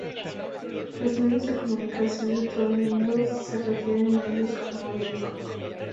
Los medios de comunicación de todo el mundo se refieren a ellos como "Vietcong".